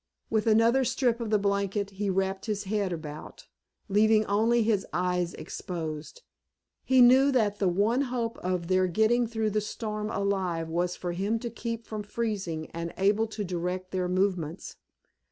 With another strip of the blanket he wrapped his head about, leaving only his eyes exposed. He knew that the one hope of their getting through this storm alive was for him to keep from freezing and able to direct their movements.